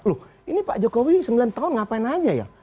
loh ini pak jokowi sembilan tahun ngapain aja ya